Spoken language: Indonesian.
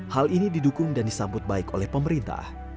hal ini didukung dan disambut baik oleh pemerintah